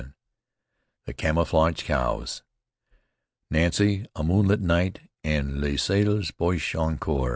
XI THE CAMOUFLAGED COWS Nancy, a moonlight night, and "les sales Boches encore."